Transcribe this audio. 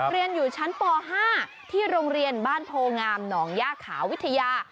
เรียนอยู่ชั้นป๕ที่โรงเรียนบ้านโพงามหนองย่าขาวิทยา